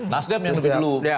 nasdem yang lebih dulu